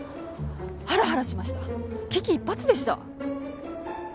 はらはらしました危機一髪でした。